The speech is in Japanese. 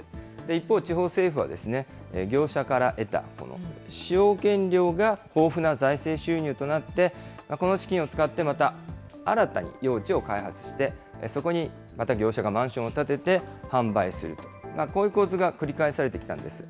一方、地方政府は業者から得たこの使用権料が豊富な財政収入となって、この資金を使ってまた新たに用地を開発して、そこにまた業者がマンションを建てて、販売するという、こういう構図が繰り返されてきたんです。